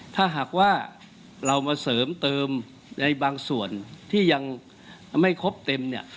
ถ้าหากว่าเรามาเสริมเติมในบางส่วนที่ยังไม่ครบเต็มเนี่ย